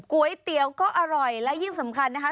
ก๋วยเตี๋ยวก็อร่อยและยิ่งสำคัญนะคะ